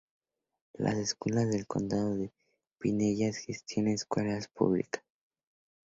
Las Escuelas del Condado de Pinellas gestiona escuelas públicas.